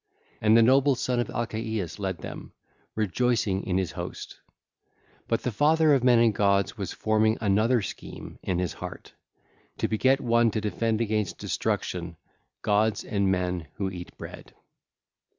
And the noble son of Alcaeus led them, rejoicing in his host. (ll. 27 55) But the father of men and gods was forming another scheme in his heart, to beget one to defend against destruction gods and men who eat bread.